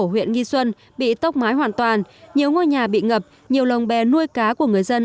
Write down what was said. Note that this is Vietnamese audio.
huyện nghi xuân bị tốc mái hoàn toàn nhiều ngôi nhà bị ngập nhiều lồng bè nuôi cá của người dân